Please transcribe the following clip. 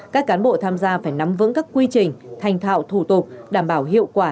các cán bộ tham gia phải nắm vững các quy trình thành thạo thủ tục đảm bảo hiệu quả